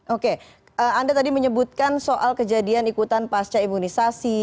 oke anda tadi menyebutkan soal kejadian ikutan pasca imunisasi